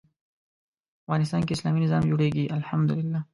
افغانستان کې اسلامي نظام جوړېږي الحمد لله.